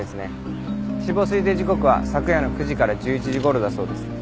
死亡推定時刻は昨夜の９時から１１時頃だそうです。